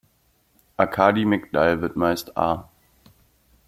Arkadi Migdal wird meist "A.